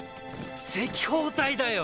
赤報隊だよ。